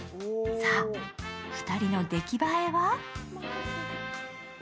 さあ、２人の出来栄えは？